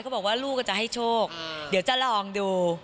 บอกว่าลูกก็จะให้โชคเดี๋ยวจะลองดู